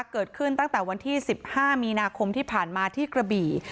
เกิดขึ้นตั้งแต่วันที่๑๕มีนาคมที่ผ่านมาที่กระบี่